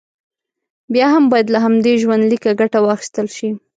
بیا هم باید له همدې ژوندلیکه ګټه واخیستل شي.